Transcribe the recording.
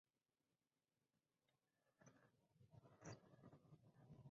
Entre ellos, se destacan Bonfire y Salinero.